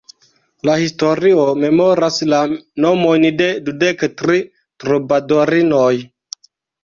La historio memoras la nomojn de dudek tri trobadorinoj.